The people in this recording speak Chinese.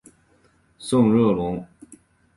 圣热龙。